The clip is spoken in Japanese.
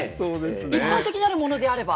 一般的にあるものであれば。